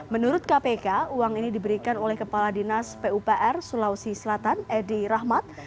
menurut kpk uang ini diberikan oleh kepala dinas pupr sulawesi selatan edi rahmat